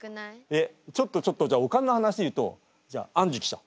えっちょっとちょっとじゃお金の話言うとじゃあんじゅ記者！